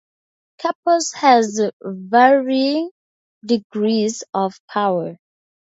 Capos have varying degrees of power.